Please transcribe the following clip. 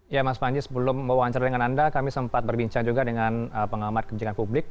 ya mas panji sebelum mewawancara dengan anda kami sempat berbincang juga dengan pengamat kebijakan publik